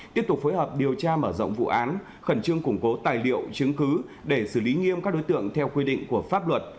tiếp tục phối hợp điều tra mở rộng vụ án khẩn trương củng cố tài liệu chứng cứ để xử lý nghiêm các đối tượng theo quy định của pháp luật